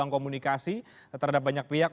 komunikasi terhadap banyak pihak